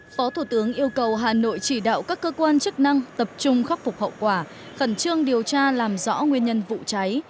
phó thủ tướng yêu cầu hà nội chỉ đạo các cơ quan chức năng tập trung khắc phục hậu quả khẩn trương điều tra làm rõ nguyên nhân vụ cháy